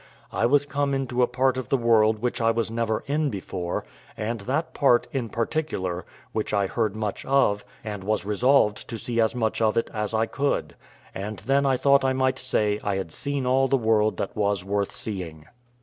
I was come into a part of the world which I was never in before, and that part, in particular, which I heard much of, and was resolved to see as much of it as I could: and then I thought I might say I had seen all the world that was worth seeing.